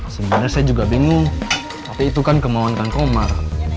sebenarnya saya juga bingung tapi itu kan kemauankan komar